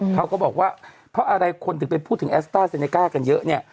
เขาก็บอกว่าเพราะอะไรคนถึงไปพูดถึงแอสต้าเซเนก้ากันเยอะเนี่ย